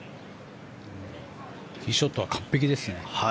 ティーショットは完璧ですね。